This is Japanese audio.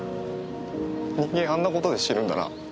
人間あんなことで死ぬんだな。